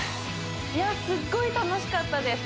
いやすっごい楽しかったです